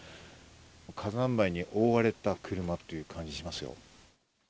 火山灰に覆われた車という感じがします。